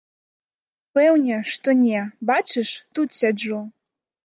Пэўне, што не, бачыш, тут сяджу.